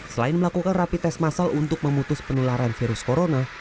selain melakukan rapi tes masal untuk memutus penularan virus corona